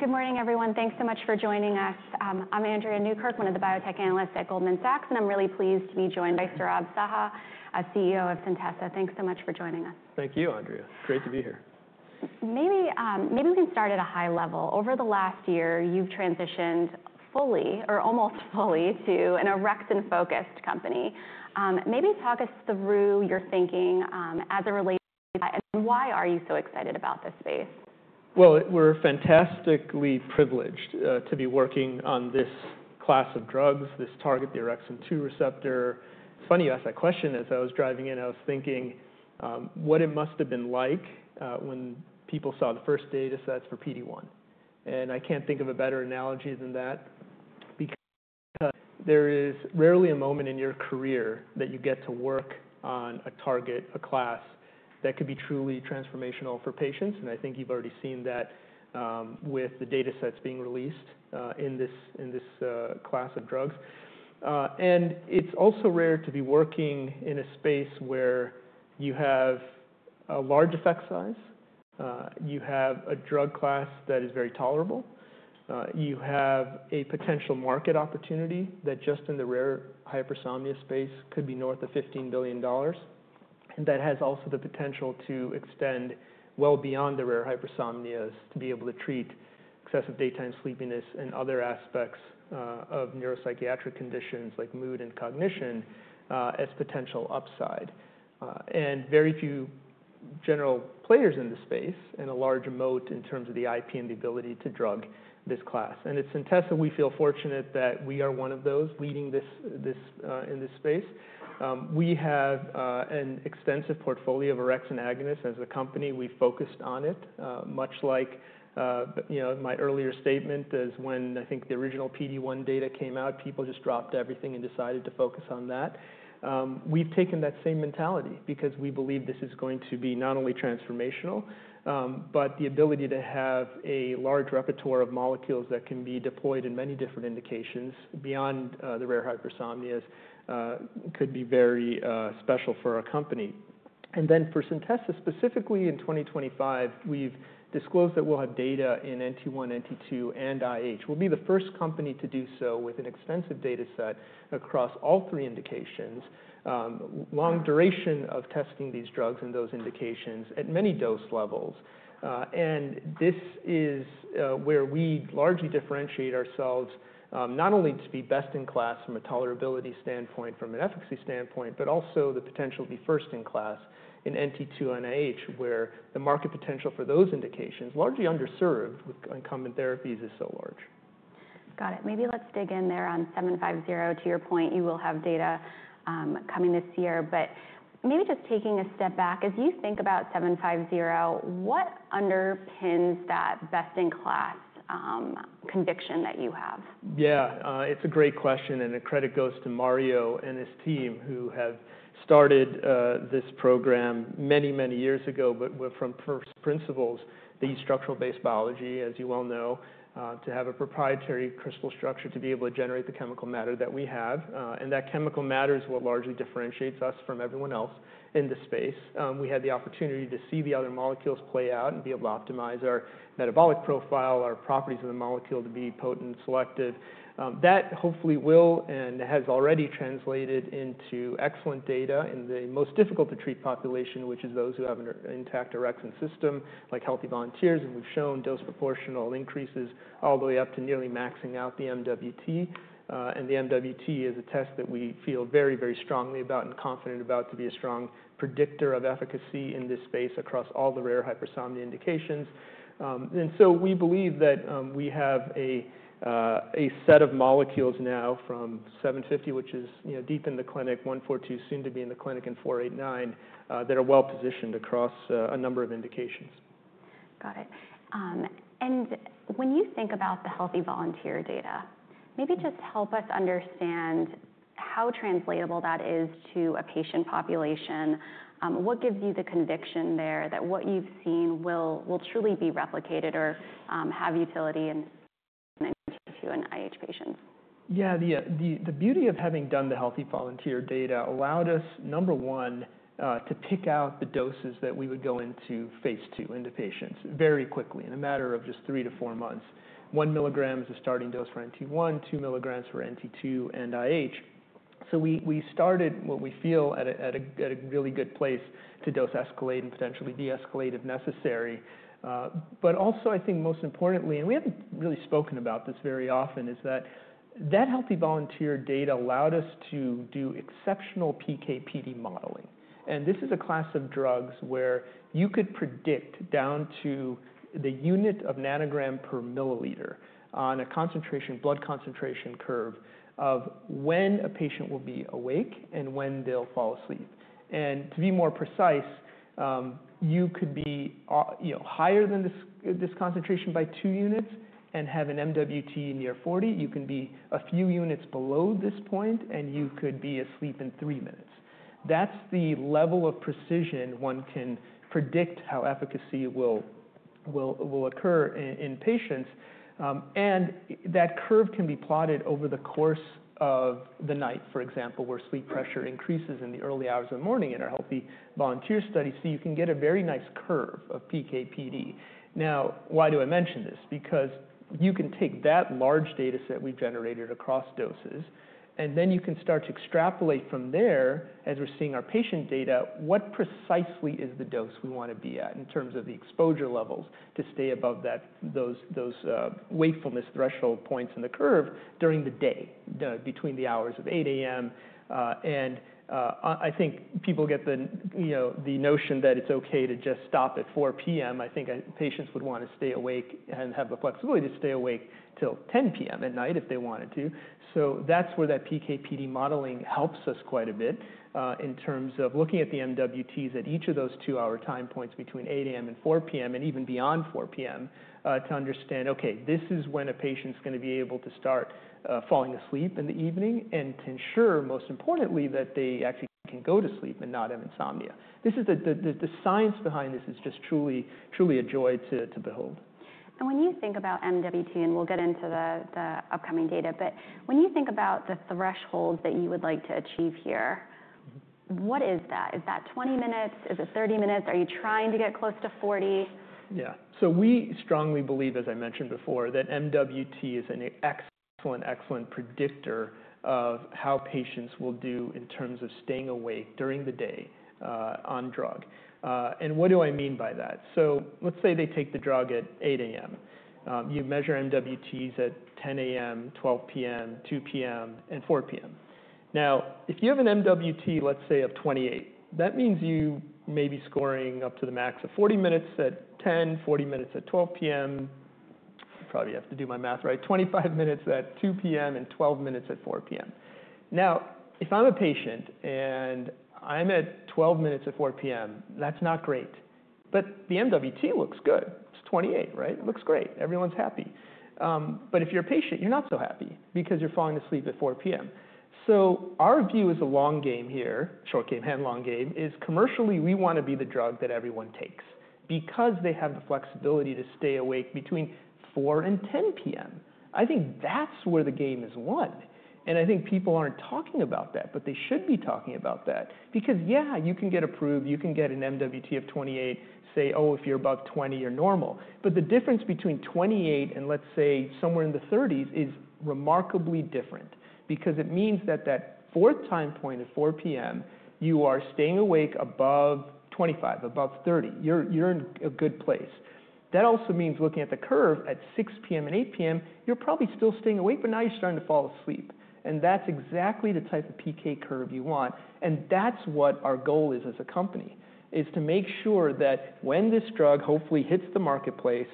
Good morning, everyone. Thanks so much for joining us. I'm Andrea Newkirk, one of the biotech analysts at Goldman Sachs, and I'm really pleased to be joined by Saurabh Saha, CEO of Centessa. Thanks so much for joining us. Thank you, Andrea. Great to be here. Maybe we can start at a high level. Over the last year, you've transitioned fully, or almost fully, to an orexin-focused company. Maybe talk us through your thinking as it relates to that, and why are you so excited about this space? We're fantastically privileged to be working on this class of drugs, this target, the orexin 2 receptor. It's funny you asked that question. As I was driving in, I was thinking what it must have been like when people saw the first data sets for PD-1. I can't think of a better analogy than that, because there is rarely a moment in your career that you get to work on a target, a class that could be truly transformational for patients. I think you've already seen that with the data sets being released in this class of drugs. It is also rare to be working in a space where you have a large effect size, you have a drug class that is very tolerable, you have a potential market opportunity that just in the rare hypersomnia space could be north of $15 billion, and that has also the potential to extend well beyond the rare hypersomnias to be able to treat excessive daytime sleepiness and other aspects of neuropsychiatric conditions like mood and cognition as potential upside. Very few general players are in the space and there is a large moat in terms of the IP and the ability to drug this class. At Centessa, we feel fortunate that we are one of those leading in this space. We have an extensive portfolio of orexin agonists as a company. We've focused on it, much like my earlier statement, as when I think the original PD-1 data came out, people just dropped everything and decided to focus on that. We've taken that same mentality because we believe this is going to be not only transformational, but the ability to have a large repertoire of molecules that can be deployed in many different indications beyond the rare hypersomnias could be very special for our company. For Centessa specifically, in 2025, we've disclosed that we'll have data in NT1, NT2, and IH. We'll be the first company to do so with an extensive data set across all three indications, long duration of testing these drugs in those indications at many dose levels. This is where we largely differentiate ourselves not only to be best in class from a tolerability standpoint, from an efficacy standpoint, but also the potential to be first in class in NT2 and IH, where the market potential for those indications, largely underserved with concomitant therapies, is so large. Got it. Maybe let's dig in there on 750. To your point, you will have data coming this year. Maybe just taking a step back, as you think about 750, what underpins that best-in-class conviction that you have? Yeah, it's a great question. The credit goes to Mario and his team, who have started this program many, many years ago, but from first principles that use structure-based biology, as you well know, to have a proprietary crystal structure to be able to generate the chemical matter that we have. That chemical matter is what largely differentiates us from everyone else in the space. We had the opportunity to see the other molecules play out and be able to optimize our metabolic profile, our properties of the molecule to be potent and selective. That hopefully will and has already translated into excellent data in the most difficult-to-treat population, which is those who have an intact orexin system, like healthy volunteers. We've shown dose-proportional increases all the way up to nearly maxing out the MWT. The MWT is a test that we feel very, very strongly about and confident about to be a strong predictor of efficacy in this space across all the rare hypersomnia indications. We believe that we have a set of molecules now from 750, which is deep in the clinic, 142 soon to be in the clinic, and 489 that are well-positioned across a number of indications. Got it. When you think about the healthy volunteer data, maybe just help us understand how translatable that is to a patient population. What gives you the conviction there that what you've seen will truly be replicated or have utility in IH patients? Yeah, the beauty of having done the healthy volunteer data allowed us, number one, to pick out the doses that we would go into phase two into patients very quickly, in a matter of just three to four months. One milligram is a starting dose for NT1, two milligrams for NT2 and IH. So we started, what we feel, at a really good place to dose escalate and potentially de-escalate if necessary. I think most importantly, and we have not really spoken about this very often, is that that healthy volunteer data allowed us to do exceptional PKPD modeling. This is a class of drugs where you could predict down to the unit of nanogram per milliliter on a blood concentration curve of when a patient will be awake and when they will fall asleep. To be more precise, you could be higher than this concentration by two units and have an MWT near 40. You can be a few units below this point, and you could be asleep in three minutes. That is the level of precision one can predict how efficacy will occur in patients. That curve can be plotted over the course of the night, for example, where sleep pressure increases in the early hours of the morning in our healthy volunteer studies. You can get a very nice curve of PKPD. Now, why do I mention this? Because you can take that large data set we've generated across doses, and then you can start to extrapolate from there, as we're seeing our patient data, what precisely is the dose we want to be at in terms of the exposure levels to stay above those wakefulness threshold points in the curve during the day, between the hours of 8:00 A.M. I think people get the notion that it's okay to just stop at 4:00 P.M. I think patients would want to stay awake and have the flexibility to stay awake till 10:00 P.M. at night if they wanted to. That's where that PKPD modeling helps us quite a bit in terms of looking at the MWTs at each of those two-hour time points between 8:00 A.M. and 4:00 P.M., and even beyond 4:00 P.M., to understand, okay, this is when a patient's going to be able to start falling asleep in the evening, and to ensure, most importantly, that they actually can go to sleep and not have insomnia. The science behind this is just truly a joy to behold. When you think about MWT, and we'll get into the upcoming data, but when you think about the thresholds that you would like to achieve here, what is that? Is that 20 minutes? Is it 30 minutes? Are you trying to get close to 40? Yeah. We strongly believe, as I mentioned before, that MWT is an excellent, excellent predictor of how patients will do in terms of staying awake during the day on drug. What do I mean by that? Let's say they take the drug at 8:00 A.M. You measure MWTs at 10:00 A.M., 12:00 P.M., 2:00 P.M., and 4:00 P.M. Now, if you have an MWT, let's say, of 28, that means you may be scoring up to the max of 40 minutes at 10:00, 40 minutes at 12:00 P.M. I probably have to do my math right. 25 minutes at 2:00 P.M., and 12 minutes at 4:00 P.M. Now, if I'm a patient and I'm at 12 minutes at 4:00 P.M., that's not great. The MWT looks good. It's 28, right? It looks great. Everyone's happy. If you're a patient, you're not so happy because you're falling asleep at 4:00 P.M. Our view is a long game here, short game and long game, is commercially we want to be the drug that everyone takes because they have the flexibility to stay awake between 4:00 and 10:00 P.M. I think that's where the game is won. I think people aren't talking about that, but they should be talking about that. Because yeah, you can get approved, you can get an MWT of 28, say, oh, if you're above 20, you're normal. The difference between 28 and, let's say, somewhere in the 30s is remarkably different because it means that that fourth time point at 4:00 P.M., you are staying awake above 25, above 30. You're in a good place. That also means looking at the curve at 6:00 P.M. At 8:00 P.M., you're probably still staying awake, but now you're starting to fall asleep. That's exactly the type of PK curve you want. That's what our goal is as a company, to make sure that when this drug hopefully hits the marketplace,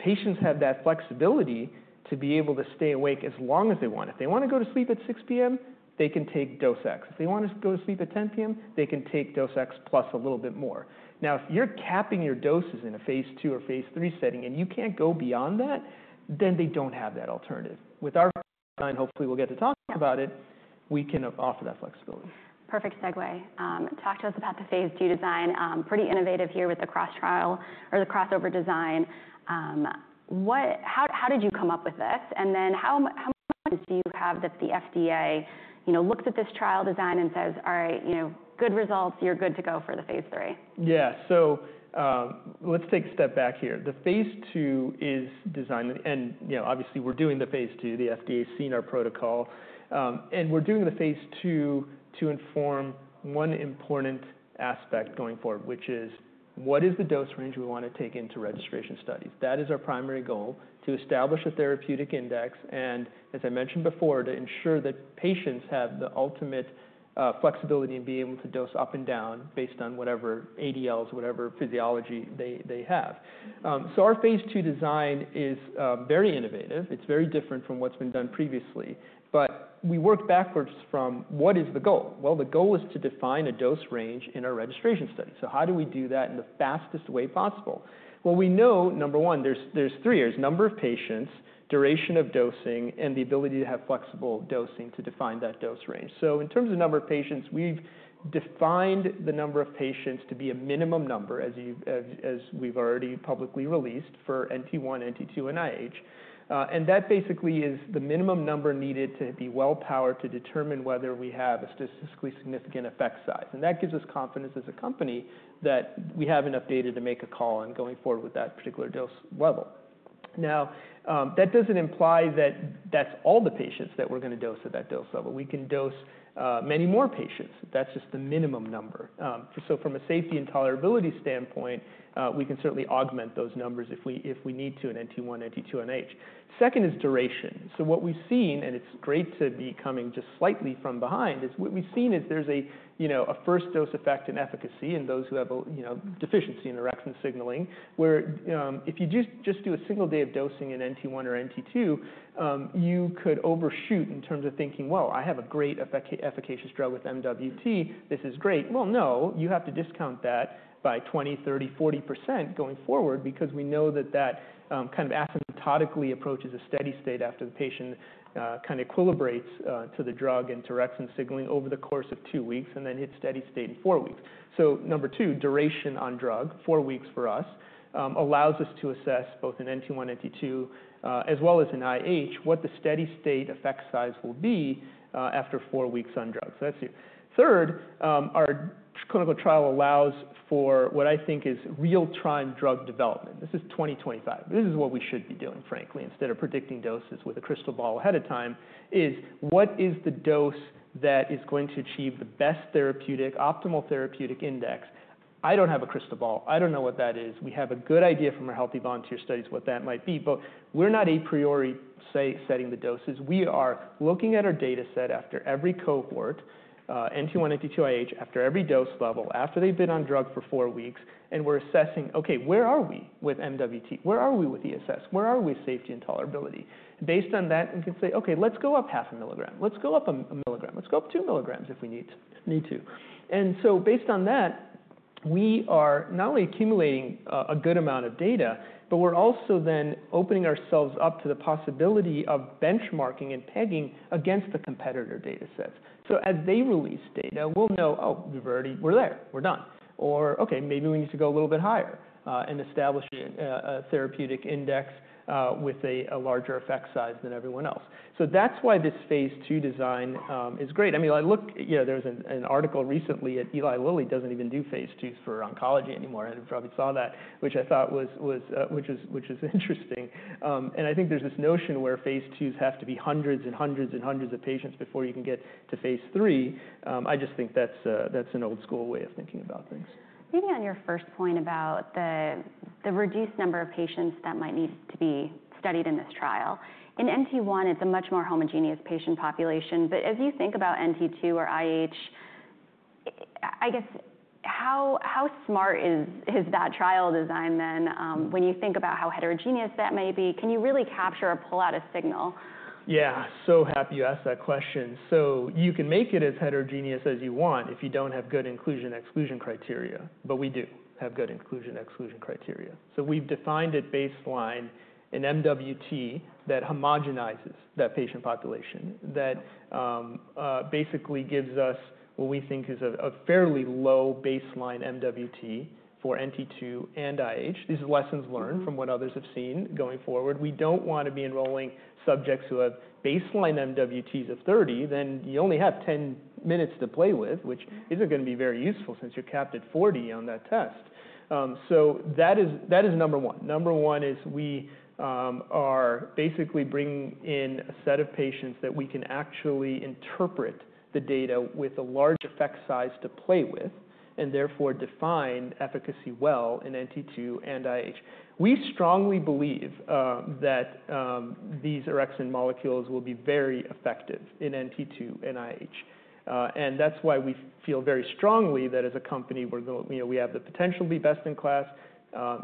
patients have that flexibility to be able to stay awake as long as they want. If they want to go to sleep at 6:00 P.M., they can take Dosex. If they want to go to sleep at 10:00 P.M., they can take Dosex plus a little bit more. Now, if you're capping your doses in a phase two or phase three setting and you can't go beyond that, then they don't have that alternative. With our design, hopefully we'll get to talk about it, we can offer that flexibility. Perfect segue. Talk to us about the phase two design. Pretty innovative here with the cross-trial or the crossover design. How did you come up with this? How much do you have that the FDA looks at this trial design and says, all right, good results, you're good to go for the phase three? Yeah. So let's take a step back here. The phase two is designed, and obviously we're doing the phase two. The FDA's seen our protocol. We're doing the phase two to inform one important aspect going forward, which is what is the dose range we want to take into registration studies? That is our primary goal, to establish a therapeutic index. As I mentioned before, to ensure that patients have the ultimate flexibility and be able to dose up and down based on whatever ADLs, whatever physiology they have. Our phase two design is very innovative. It's very different from what's been done previously. We work backwards from what is the goal? The goal is to define a dose range in our registration studies. How do we do that in the fastest way possible? We know, number one, there's three areas: number of patients, duration of dosing, and the ability to have flexible dosing to define that dose range. In terms of number of patients, we've defined the number of patients to be a minimum number, as we've already publicly released for NT1, NT2, and IH. That basically is the minimum number needed to be well-powered to determine whether we have a statistically significant effect size. That gives us confidence as a company that we have enough data to make a call on going forward with that particular dose level. That doesn't imply that that's all the patients that we're going to dose at that dose level. We can dose many more patients. That's just the minimum number. From a safety and tolerability standpoint, we can certainly augment those numbers if we need to in NT1, NT2, and IH. Second is duration. What we've seen, and it's great to be coming just slightly from behind, is what we've seen is there's a first dose effect and efficacy in those who have a deficiency in orexin signaling, where if you just do a single day of dosing in NT1 or NT2, you could overshoot in terms of thinking, well, I have a great efficacious drug with MWT. This is great. No, you have to discount that by 20%-30%-40% going forward because we know that that kind of asymptotically approaches a steady state after the patient kind of equilibrates to the drug into orexin signaling over the course of two weeks and then hit steady state in four weeks. Number two, duration on drug, four weeks for us, allows us to assess both in NT1, NT2, as well as in IH, what the steady state effect size will be after four weeks on drugs. That's here. Third, our clinical trial allows for what I think is real-time drug development. This is 2025. This is what we should be doing, frankly, instead of predicting doses with a crystal ball ahead of time, is what is the dose that is going to achieve the best therapeutic, optimal therapeutic index? I don't have a crystal ball. I don't know what that is. We have a good idea from our healthy volunteer studies what that might be. But we're not a priori setting the doses. We are looking at our data set after every cohort, NT1, NT2, IH, after every dose level, after they've been on drug for four weeks. We're assessing, OK, where are we with MWT? Where are we with ESS? Where are we with safety and tolerability? Based on that, we can say, OK, let's go up half a milligram. Let's go up a milligram. Let's go up two milligrams if we need to. Based on that, we are not only accumulating a good amount of data, but we're also then opening ourselves up to the possibility of benchmarking and pegging against the competitor data sets. As they release data, we'll know, oh, we're there. We're done. Or OK, maybe we need to go a little bit higher and establish a therapeutic index with a larger effect size than everyone else. That's why this phase two design is great. I mean, there was an article recently that Eli Lilly doesn't even do phase twos for oncology anymore. You probably saw that, which I thought was interesting. I think there is this notion where phase twos have to be hundreds and hundreds and hundreds of patients before you can get to phase three. I just think that is an old school way of thinking about things. Moving on to your first point about the reduced number of patients that might need to be studied in this trial. In NT1, it's a much more homogeneous patient population. As you think about NT2 or IH, I guess how smart is that trial design then when you think about how heterogeneous that may be? Can you really capture or pull out a signal? Yeah. Happy you asked that question. You can make it as heterogeneous as you want if you do not have good inclusion/exclusion criteria. We do have good inclusion/exclusion criteria. We have defined at baseline an MWT that homogenizes that patient population, that basically gives us what we think is a fairly low baseline MWT for NT2 and IH. These are lessons learned from what others have seen going forward. We do not want to be enrolling subjects who have baseline MWTs of 30. You only have 10 minutes to play with, which is not going to be very useful since you are capped at 40 on that test. That is number one. Number one is we are basically bringing in a set of patients that we can actually interpret the data with a large effect size to play with and therefore define efficacy well in NT2 and IH. We strongly believe that these orexin molecules will be very effective in NT2 and IH. That is why we feel very strongly that as a company, we have the potential to be best in class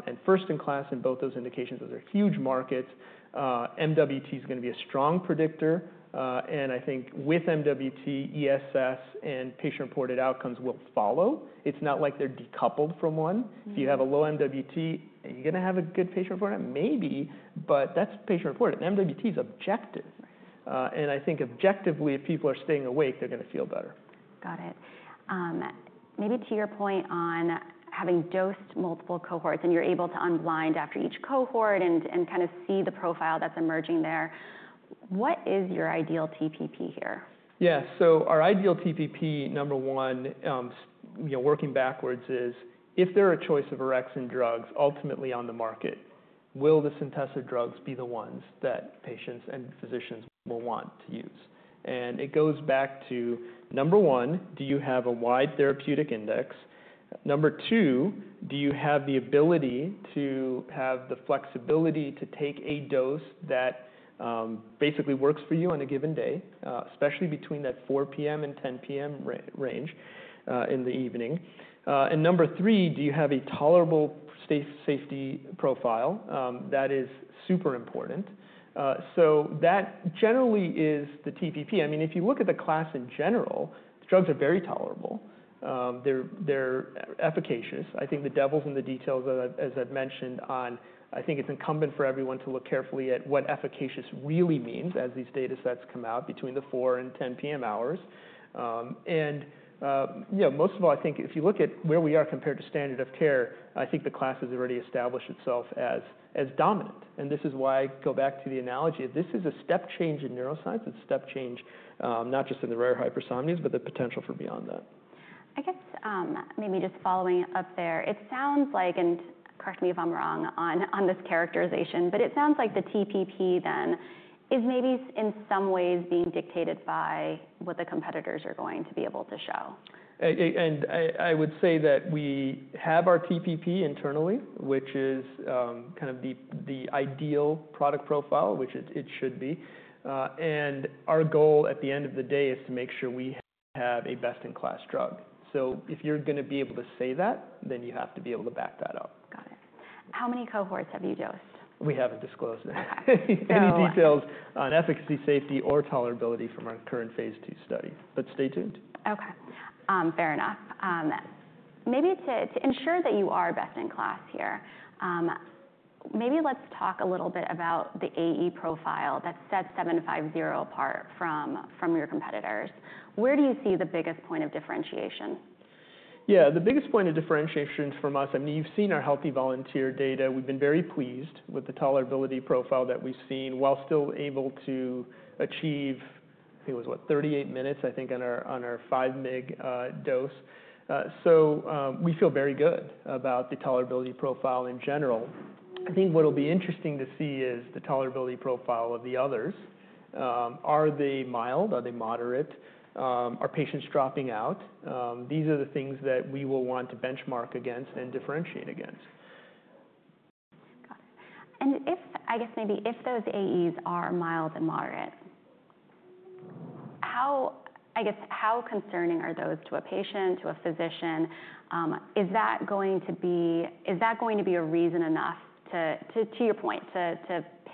and first in class in both those indications. Those are huge markets. MWT is going to be a strong predictor. I think with MWT, ESS and patient-reported outcomes will follow. It is not like they are decoupled from one. If you have a low MWT, are you going to have a good patient report? Maybe. That is patient-reported. MWT is objective. I think objectively, if people are staying awake, they are going to feel better. Got it. Maybe to your point on having dosed multiple cohorts and you're able to unblind after each cohort and kind of see the profile that's emerging there, what is your ideal TPP here? Yeah. Our ideal TPP, number one, working backwards, is if there are a choice of orexin drugs ultimately on the market, will the Centessa drugs be the ones that patients and physicians will want to use? It goes back to, number one, do you have a wide therapeutic index? Number two, do you have the ability to have the flexibility to take a dose that basically works for you on a given day, especially between that 4:00 P.M. and 10:00 P.M. range in the evening? Number three, do you have a tolerable safety profile? That is super important. That generally is the TPP. I mean, if you look at the class in general, drugs are very tolerable. They're efficacious. I think the devil's in the details, as I've mentioned, on I think it's incumbent for everyone to look carefully at what efficacious really means as these data sets come out between the 4:00 and 10:00 P.M. hours. Most of all, I think if you look at where we are compared to standard of care, I think the class has already established itself as dominant. This is why I go back to the analogy of this is a step change in neuroscience. It's a step change, not just in the rare hypersomnias, but the potential for beyond that. I guess maybe just following up there, it sounds like, and correct me if I'm wrong on this characterization, but it sounds like the TPP then is maybe in some ways being dictated by what the competitors are going to be able to show. We have our TPP internally, which is kind of the ideal product profile, which it should be. Our goal at the end of the day is to make sure we have a best-in-class drug. If you're going to be able to say that, then you have to be able to back that up. Got it. How many cohorts have you dosed? We haven't disclosed any details on efficacy, safety, or tolerability from our current phase two study. Stay tuned. OK. Fair enough. Maybe to ensure that you are best in class here, maybe let's talk a little bit about the AE profile that sets 750 apart from your competitors. Where do you see the biggest point of differentiation? Yeah. The biggest point of differentiation from us, I mean, you've seen our healthy volunteer data. We've been very pleased with the tolerability profile that we've seen while still able to achieve, I think it was what, 38 minutes, I think, on our 5 mg dose. So we feel very good about the tolerability profile in general. I think what will be interesting to see is the tolerability profile of the others. Are they mild? Are they moderate? Are patients dropping out? These are the things that we will want to benchmark against and differentiate against. Got it. I guess maybe if those AEs are mild and moderate, I guess how concerning are those to a patient, to a physician? Is that going to be a reason enough, to your point, to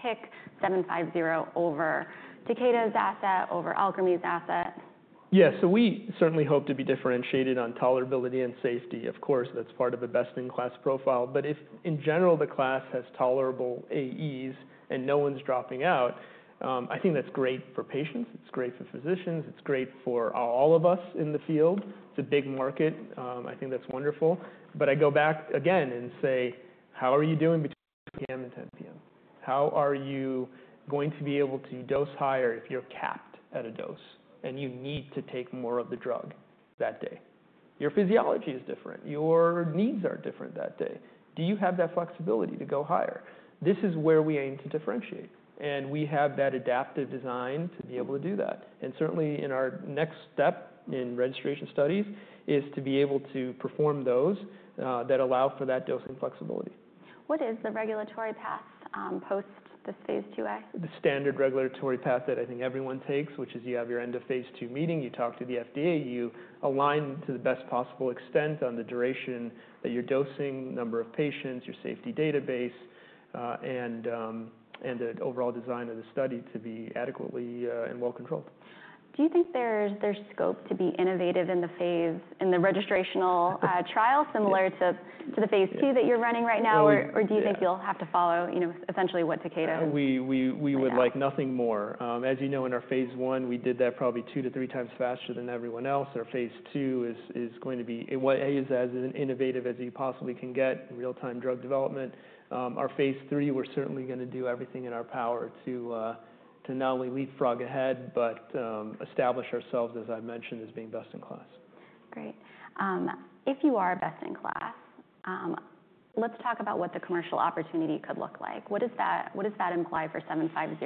pick 750 over Takeda's asset, over Alkermes' asset? Yeah. We certainly hope to be differentiated on tolerability and safety. Of course, that's part of the best-in-class profile. If in general the class has tolerable AEs and no one's dropping out, I think that's great for patients. It's great for physicians. It's great for all of us in the field. It's a big market. I think that's wonderful. I go back again and say, how are you doing between 4:00 P.M. and 10:00 P.M.? How are you going to be able to dose higher if you're capped at a dose and you need to take more of the drug that day? Your physiology is different. Your needs are different that day. Do you have that flexibility to go higher? This is where we aim to differentiate. We have that adaptive design to be able to do that. Certainly in our next step in registration studies is to be able to perform those that allow for that dosing flexibility. What is the regulatory path post this phase two? The standard regulatory path that I think everyone takes, which is you have your end of phase two meeting. You talk to the FDA. You align to the best possible extent on the duration that you're dosing, number of patients, your safety database, and the overall design of the study to be adequately and well-controlled. Do you think there's scope to be innovative in the registrational trial similar to the phase two that you're running right now? Or do you think you'll have to follow essentially what Takeda? We would like nothing more. As you know, in our phase one, we did that probably two to three times faster than everyone else. Our phase two is going to be as innovative as you possibly can get in real-time drug development. Our phase three, we're certainly going to do everything in our power to not only leapfrog ahead but establish ourselves, as I mentioned, as being best in class. Great. If you are best in class, let's talk about what the commercial opportunity could look like. What does that imply for 750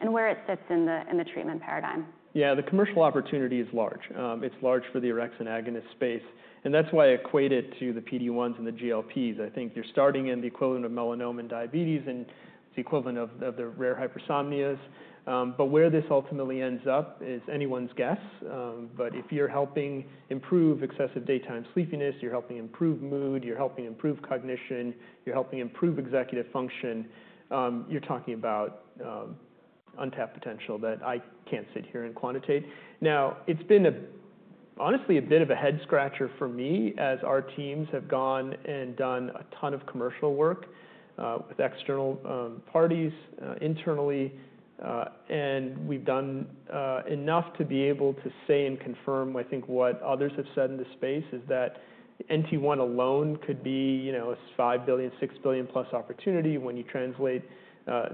and where it sits in the treatment paradigm? Yeah. The commercial opportunity is large. It's large for the orexin agonist space. That's why I equate it to the PD-1s and the GLPs. I think you're starting in the equivalent of melanoma and diabetes, and it's the equivalent of the rare hypersomnias. Where this ultimately ends up is anyone's guess. If you're helping improve excessive daytime sleepiness, you're helping improve mood, you're helping improve cognition, you're helping improve executive function, you're talking about untapped potential that I can't sit here and quantitate. Now, it's been honestly a bit of a head-scratcher for me as our teams have gone and done a ton of commercial work with external parties internally. We've done enough to be able to say and confirm, I think, what others have said in this space is that NT1 alone could be a $5 billion-$6 billion-plus opportunity. When you translate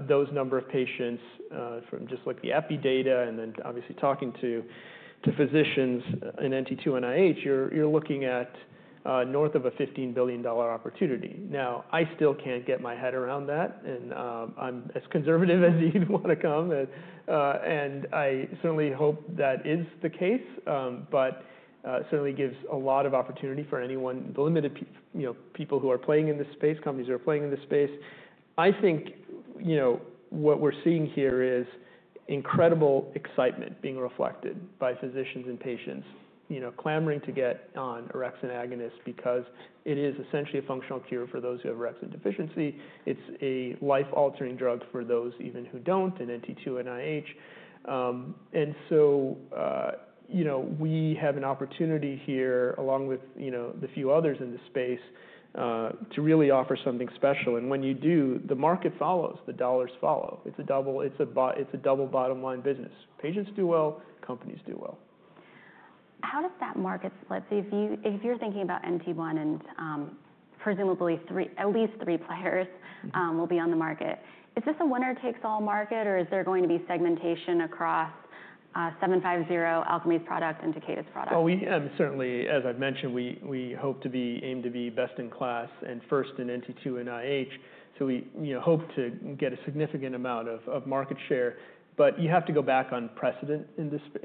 those number of patients from just like the Epi data and then obviously talking to physicians in NT2 and IH, you're looking at north of a $15 billion opportunity. Now, I still can't get my head around that. I'm as conservative as you'd want to come. I certainly hope that is the case. It certainly gives a lot of opportunity for anyone, the limited people who are playing in this space, companies who are playing in this space. I think what we're seeing here is incredible excitement being reflected by physicians and patients clamoring to get on orexin agonists because it is essentially a functional cure for those who have orexin deficiency. It's a life-altering drug for those even who don't in NT2 and IH. We have an opportunity here, along with the few others in this space, to really offer something special. When you do, the market follows. The dollars follow. It is a double bottom line business. Patients do well. Companies do well. How does that market split? If you're thinking about NT1 and presumably at least three players will be on the market, is this a one or takes all market? Or is there going to be segmentation across 750, Alkermes' product, and Takeda's product? Oh, certainly. As I've mentioned, we hope to be aimed to be best in class and first in NT2 and IH. We hope to get a significant amount of market share. You have to go back on precedent just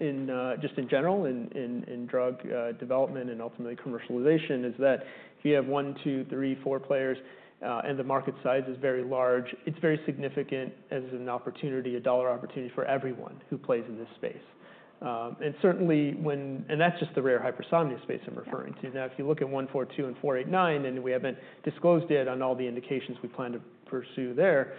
in general in drug development and ultimately commercialization is that if you have one, two, three, four players, and the market size is very large, it is very significant as an opportunity, a dollar opportunity for everyone who plays in this space. That is just the rare hypersomnia space I am referring to. Now, if you look at 142 and 489, and we have not disclosed yet on all the indications we plan to pursue there,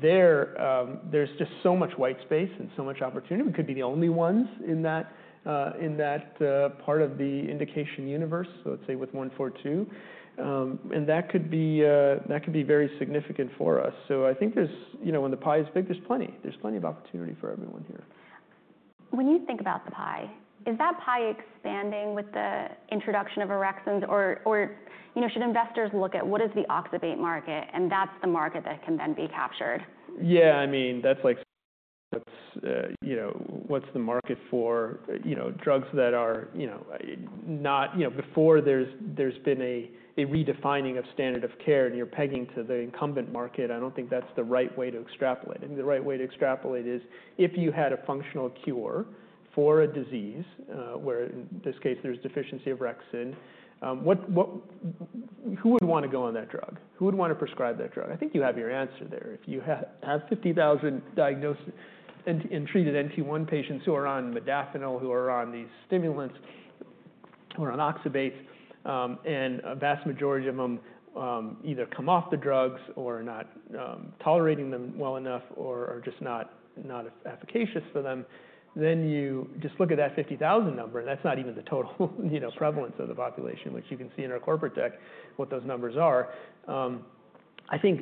there is just so much white space and so much opportunity. We could be the only ones in that part of the indication universe, let's say with 142. That could be very significant for us. I think when the pie is big, there's plenty. There's plenty of opportunity for everyone here. When you think about the pie, is that pie expanding with the introduction of orexin agonists? Or should investors look at what is the Oxybate market? That is the market that can then be captured. Yeah. I mean, that's like what's the market for drugs that are not before there's been a redefining of standard of care and you're pegging to the incumbent market, I don't think that's the right way to extrapolate. The right way to extrapolate is if you had a functional cure for a disease where, in this case, there's deficiency of orexin, who would want to go on that drug? Who would want to prescribe that drug? I think you have your answer there. If you have 50,000 diagnosed and treated NT1 patients who are on modafinil, who are on these stimulants, who are on Oxybate, and a vast majority of them either come off the drugs or are not tolerating them well enough or are just not efficacious for them, then you just look at that 50,000 number. That is not even the total prevalence of the population, which you can see in our corporate deck what those numbers are. I think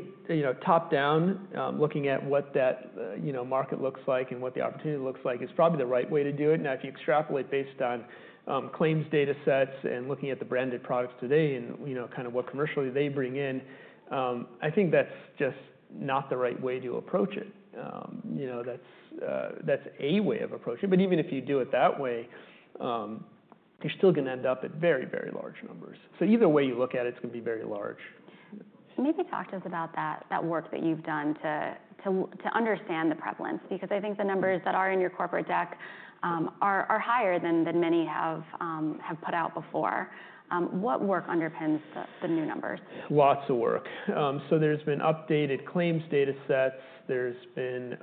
top down, looking at what that market looks like and what the opportunity looks like is probably the right way to do it. Now, if you extrapolate based on claims data sets and looking at the branded products today and kind of what commercially they bring in, I think that is just not the right way to approach it. That is a way of approaching it. Even if you do it that way, you are still going to end up at very, very large numbers. Either way you look at it, it is going to be very large. Maybe talk to us about that work that you've done to understand the prevalence. Because I think the numbers that are in your corporate deck are higher than many have put out before. What work underpins the new numbers? Lots of work. There's been updated claims data sets. There's been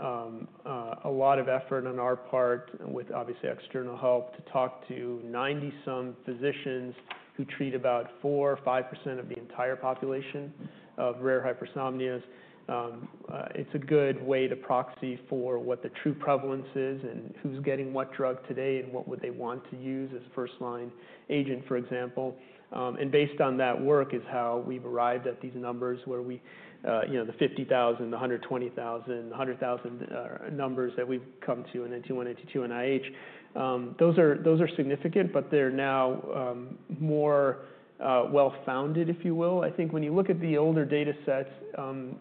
a lot of effort on our part with obviously external help to talk to 90-some physicians who treat about 4% or 5% of the entire population of rare hypersomnias. It's a good way to proxy for what the true prevalence is and who's getting what drug today and what would they want to use as first-line agent, for example. Based on that work is how we've arrived at these numbers where the 50,000, the 120,000, 100,000 numbers that we've come to in NT1, NT2, and IH. Those are significant, but they're now more well-founded, if you will. I think when you look at the older data sets,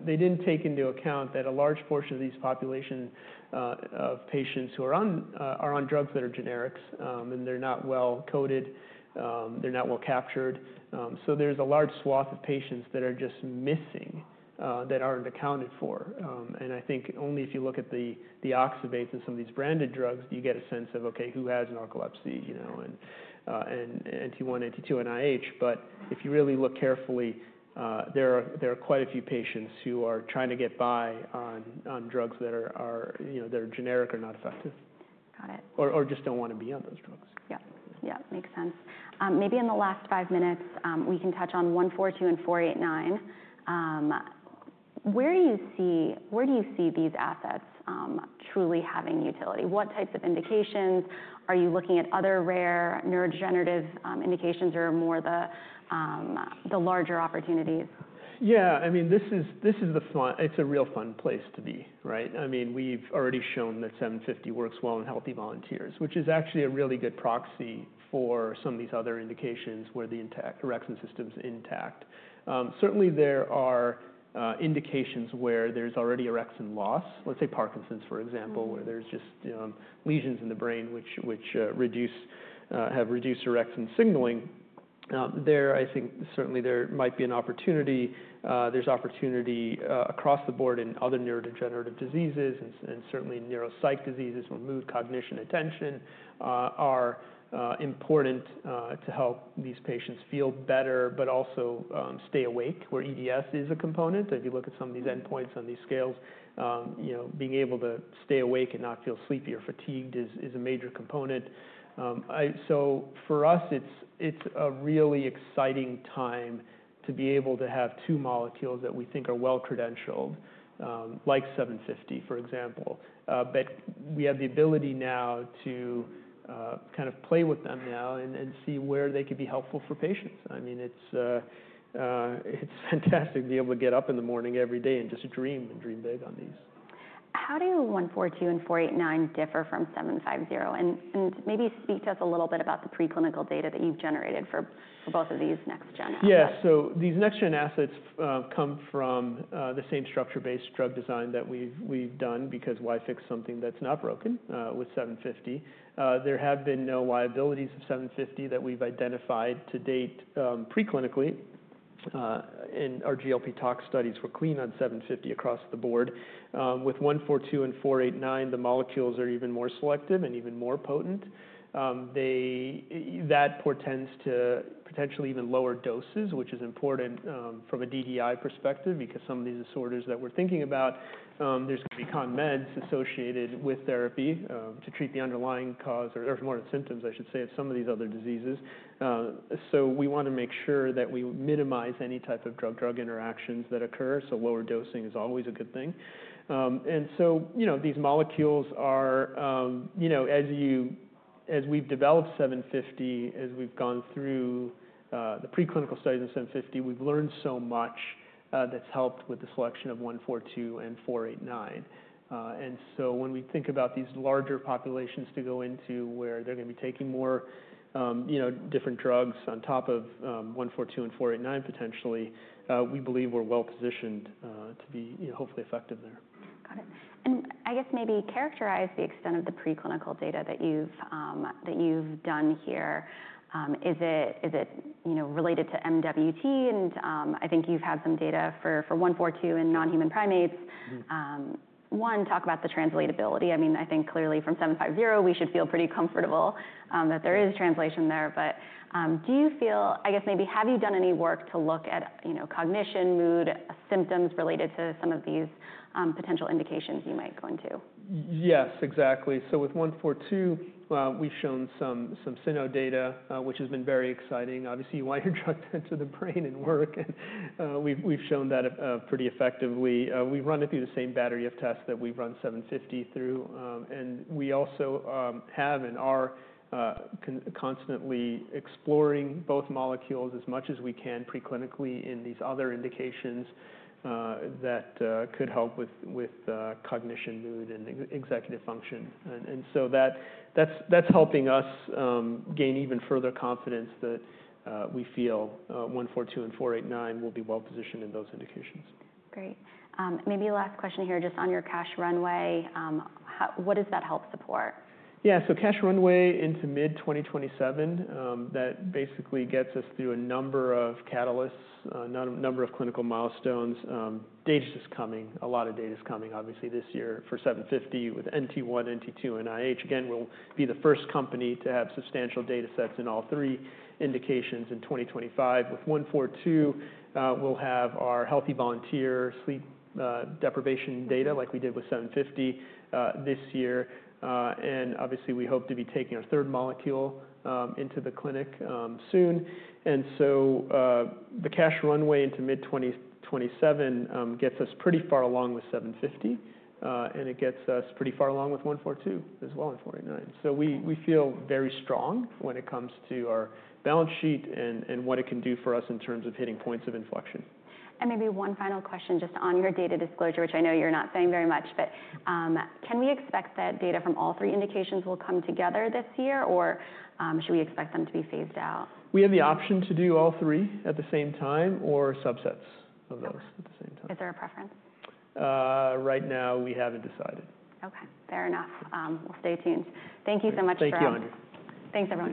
they didn't take into account that a large portion of this population of patients are on drugs that are generics and they're not well-coded, they're not well-captured. There's a large swath of patients that are just missing that aren't accounted for. I think only if you look at the Oxybates and some of these branded drugs, you get a sense of, OK, who has narcolepsy in NT1, NT2, and IH. If you really look carefully, there are quite a few patients who are trying to get by on drugs that are generic or not effective. Got it. Or just do not want to be on those drugs. Yeah. Yeah. Makes sense. Maybe in the last five minutes, we can touch on 142 and 489. Where do you see these assets truly having utility? What types of indications? Are you looking at other rare neurodegenerative indications or more the larger opportunities? Yeah. I mean, this is a real fun place to be. I mean, we've already shown that ORX750 works well in healthy volunteers, which is actually a really good proxy for some of these other indications where the orexin system is intact. Certainly, there are indications where there's already orexin loss, let's say Parkinson's, for example, where there's just lesions in the brain which have reduced orexin signaling. There, I think certainly there might be an opportunity. There's opportunity across the board in other neurodegenerative diseases and certainly neuropsych diseases where mood, cognition, attention are important to help these patients feel better but also stay awake, where EDS is a component. If you look at some of these endpoints on these scales, being able to stay awake and not feel sleepy or fatigued is a major component. For us, it's a really exciting time to be able to have two molecules that we think are well-credentialed, like 750, for example. We have the ability now to kind of play with them now and see where they could be helpful for patients. I mean, it's fantastic to be able to get up in the morning every day and just dream and dream big on these. How do 142 and 489 differ from 750? Maybe speak to us a little bit about the preclinical data that you've generated for both of these next-gen assets. Yeah. These next-gen assets come from the same structure-based drug design that we've done because why fix something that's not broken with 750? There have been no liabilities of 750 that we've identified to date preclinically. Our GLP tox studies were clean on 750 across the board. With 142 and 489, the molecules are even more selective and even more potent. That portends to potentially even lower doses, which is important from a DDI perspective because some of these disorders that we're thinking about, there's going to be con meds associated with therapy to treat the underlying cause or more the symptoms, I should say, of some of these other diseases. We want to make sure that we minimize any type of drug-drug interactions that occur. Lower dosing is always a good thing. These molecules are, as we've developed 750, as we've gone through the preclinical studies of 750, we've learned so much that's helped with the selection of 142 and 489. When we think about these larger populations to go into where they're going to be taking more different drugs on top of 142 and 489 potentially, we believe we're well-positioned to be hopefully effective there. Got it. I guess maybe characterize the extent of the preclinical data that you've done here. Is it related to MWT? I think you've had some data for 142 in non-human primates. One, talk about the translatability. I mean, I think clearly from 750, we should feel pretty comfortable that there is translation there. Do you feel, I guess maybe have you done any work to look at cognition, mood, symptoms related to some of these potential indications you might go into? Yes, exactly. With 142, we've shown some SINO data, which has been very exciting. Obviously, you want your drug to enter the brain and work. We've shown that pretty effectively. We've run it through the same battery of tests that we've run 750 through. We also have and are constantly exploring both molecules as much as we can preclinically in these other indications that could help with cognition, mood, and executive function. That is helping us gain even further confidence that we feel 142 and 489 will be well-positioned in those indications. Great. Maybe last question here, just on your cash runway. What does that help support? Yeah. Cash runway into mid-2027, that basically gets us through a number of catalysts, a number of clinical milestones. Data is coming. A lot of data is coming, obviously, this year for 750 with NT1, NT2, and IH. Again, we'll be the first company to have substantial data sets in all three indications in 2025. With 142, we'll have our healthy volunteer sleep deprivation data like we did with 750 this year. Obviously, we hope to be taking our third molecule into the clinic soon. The cash runway into mid-2027 gets us pretty far along with 750. It gets us pretty far along with 142 as well in 489. We feel very strong when it comes to our balance sheet and what it can do for us in terms of hitting points of inflection. Maybe one final question just on your data disclosure, which I know you're not saying very much. Can we expect that data from all three indications will come together this year? Should we expect them to be phased out? We have the option to do all three at the same time or subsets of those at the same time. Is there a preference? Right now, we haven't decided. OK. Fair enough. We'll stay tuned. Thank you so much for. Thank you, Andrew. Thanks so much.